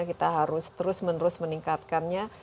kita harus terus menerus meningkatkannya